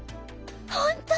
ほんと！？